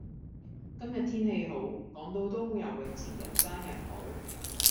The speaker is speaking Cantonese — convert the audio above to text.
今日天氣好，港島東游泳池人山人海。